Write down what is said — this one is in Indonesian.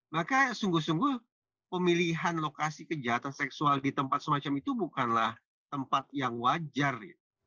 maka sungguh sungguh pemilihan lokasi kejahatan seksual di tempat semacam itu bukanlah tempat yang wajar